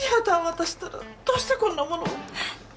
私ったらどうしてこんなものを。